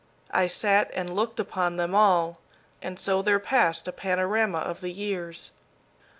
I sat and looked upon them all, and so there passed a panorama of the years.